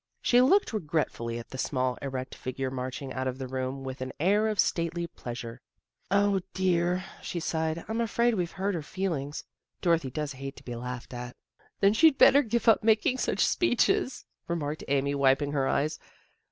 She looked regretfully at the small, erect figure marching out of the room with an air of stately displeasure. " dear! " she sighed. " I'm afraid we've hurt her feelings. Dorothy does hate to be laughed at." " Then she'd better give up making such speeches," remarked Amy, wiping her eyes.